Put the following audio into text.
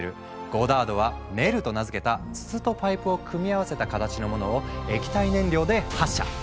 ゴダードは「ネル」と名付けた筒とパイプを組み合わせた形のものを液体燃料で発射。